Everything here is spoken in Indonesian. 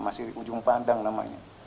masih di ujung pandang namanya